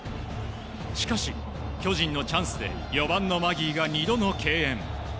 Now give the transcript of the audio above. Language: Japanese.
しかし、巨人のチャンスで４番のマギーが２度の敬遠。